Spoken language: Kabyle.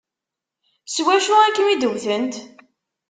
S wacu i kem-id-wtent?